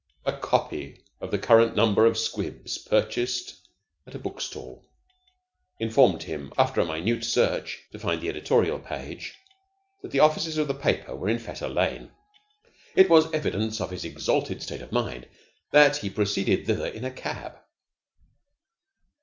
A copy of the current number of 'Squibs,' purchased at a book stall, informed him, after a minute search to find the editorial page, that the offices of the paper were in Fetter Lane. It was evidence of his exalted state of mind that he proceeded thither in a cab.